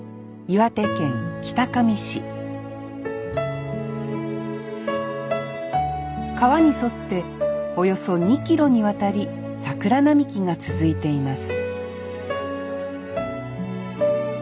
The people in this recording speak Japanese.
市川に沿っておよそ２ｋｍにわたり桜並木が続いています